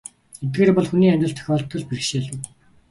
Эдгээр бол хүний амьдралд тохиолддог л бэрхшээлүүд.